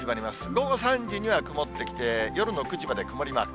午後３時には曇ってきて、夜の９時まで曇りマーク。